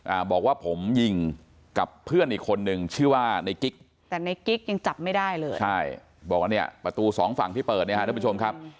อ่าบอกว่าผมยิงกับเพื่อนอีกคนนึงชื่อว่าในกิ๊กแต่ในกิ๊กยังจับไม่ได้เลยใช่บอกว่าเนี่ยประตูสองฝั่งที่เปิดเนี่ยฮะทุกผู้ชมครับ